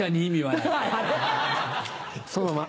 そのまま。